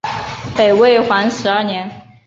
北魏皇始二年。